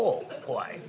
怖い。